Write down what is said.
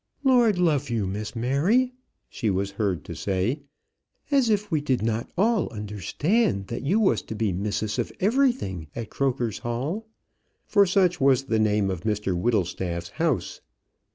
"Lord love you, Miss Mary," she was heard to say; "as if we did not all understand that you was to be missus of everything at Croker's Hall," for such was the name of Mr Whittlestaff's house.